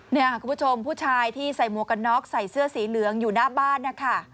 คุณผู้ชมผู้ชายที่ใส่หมวกกันน็อกใส่เสื้อสีเหลืองอยู่หน้าบ้านนะคะ